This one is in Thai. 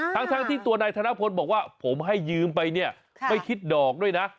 ทั้งที่ตัวนายธนพลบอกว่าผมให้ยืมไปเนี่ยไม่คิดดอกด้วยนะ